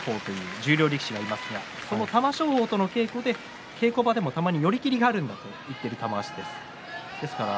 十両力士がいますが玉正鳳との稽古で稽古場でも、たまに寄り切りがあるんだと言っていた玉鷲です。